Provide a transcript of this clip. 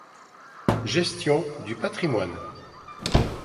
Gestion du patrimoine.